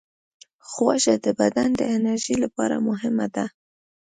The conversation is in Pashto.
خوږه د بدن د انرژۍ لپاره مهمه ده.